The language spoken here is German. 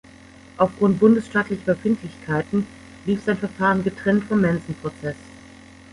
Aufgrund bundesstaatlicher Befindlichkeiten lief sein Verfahren getrennt vom Manson-Prozess.